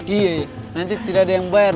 iya nanti tidak ada yang bayar